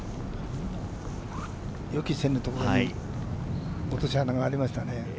予期せぬところに落とし穴がありましたね。